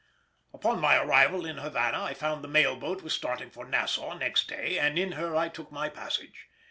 Upon my arrival in Havana I found the mail boat was starting for Nassau next day, and in her I took my passage.